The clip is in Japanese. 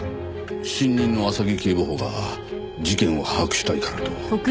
新任の浅木警部補が事件を把握したいからと。